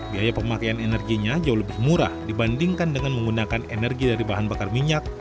biaya pemakaian energinya jauh lebih murah dibandingkan dengan menggunakan energi dari bahan bakar minyak